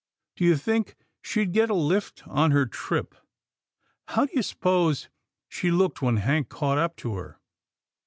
— do you think she'd get a lift on her trip? — how do you s'pose she looked when Hank caught up to her?